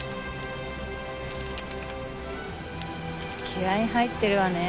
気合入ってるわね。